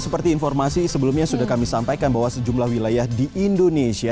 seperti informasi sebelumnya sudah kami sampaikan bahwa sejumlah wilayah di indonesia